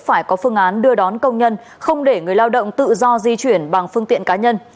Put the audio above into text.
phải có phương án đưa đón công nhân không để người lao động tự do di chuyển bằng phương tiện cá nhân